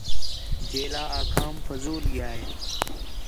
جیلا آکھام فضول ڳِیا ہِے